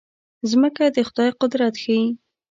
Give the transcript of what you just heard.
مځکه د خدای قدرت ښيي.